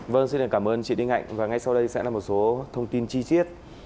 vâng xin cảm ơn chị đinh hạnh và ngay sau đây sẽ là một số thông tin chi tiết